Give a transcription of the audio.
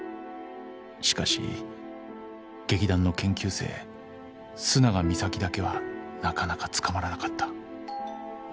［しかし劇団の研究生須永美咲だけはなかなかつかまらなかった］